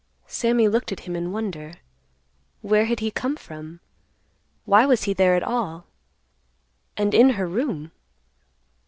Sammy looked at him in wonder. Where had he come from? Why was he there at all? And in her room?